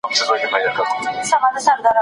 ایا مسلکي بڼوال وچ انار پلوري؟